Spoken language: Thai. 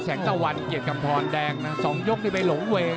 เจอเลยนะแสงตะวันเกียรติกำธรแดงสองยกที่ไปหลงเว